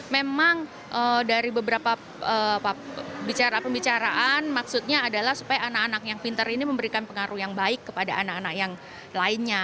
memang dari beberapa pembicaraan maksudnya adalah supaya anak anak yang pintar ini memberikan pengaruh yang baik kepada anak anak yang lainnya